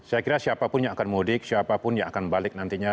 saya kira siapapun yang akan mudik siapapun yang akan balik nantinya